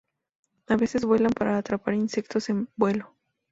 A veces vuelan para atrapar insectos en vuelo.